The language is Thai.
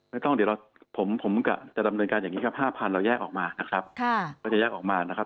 ไม่ต้องเดี๋ยวผมจะดำเนินการอย่างนี้ครับ๕๐๐๐เราแยกออกมานะครับ